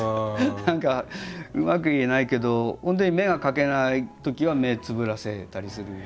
何かうまく言えないけど本当に目が描けないときは目つぶらせたりする。